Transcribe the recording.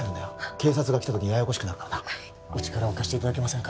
警察が来たときにややこしくなるお力を貸していただけませんか？